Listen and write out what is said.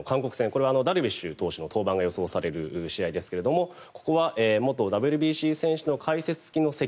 これはダルビッシュ投手の登板が予想される試合ですがここは元ＷＢＣ選手の解説付きの席。